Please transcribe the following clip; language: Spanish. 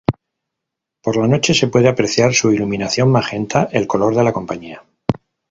Por la noche se puede apreciar su iluminación magenta, el color de la compañía.